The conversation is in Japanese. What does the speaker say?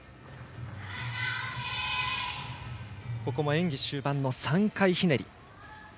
演技終盤の３回ひねり。